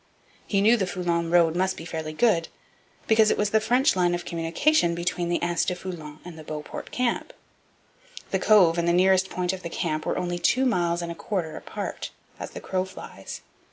He knew the Foulon road must be fairly good, because it was the French line of communication between the Anse au Foulon and the Beauport camp. The Cove and the nearest point of the camp were only two miles and a quarter apart, as the crow flies.